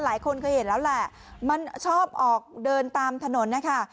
หลายคนเคยเห็นแล้วแหละมันชอบออกเดินตามถนนนะคะ